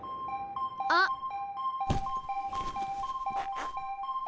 あっ。